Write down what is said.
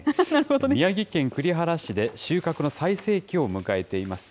宮城県栗原市で収穫の最盛期を迎えています。